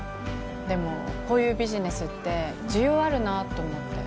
でもこういうビジネスって需要あるなと思って。